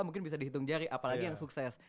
mungkin bisa dihitung jari apalagi yang sukses